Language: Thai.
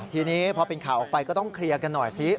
ทีนี้พอเป็นข่าวออกไปก็ต้องเคลียร์กันหน่อยสิ